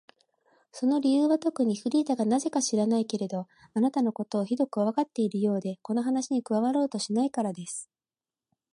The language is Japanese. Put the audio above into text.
その理由はとくに、フリーダがなぜか知らないけれど、あなたのことをひどくこわがっているようで、この話に加わろうとしないからです。